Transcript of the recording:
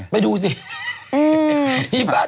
ไปดูเสีย